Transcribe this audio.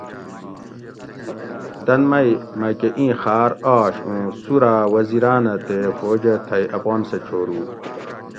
تن مئ مکہۤ اِیں خاۤر آش اُوں سُوراۤ وزیراۤن اۤ تے فوجہ تھئ اپان سہۤ چھورو